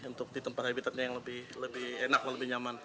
untuk di tempat habitatnya yang lebih enak dan lebih nyaman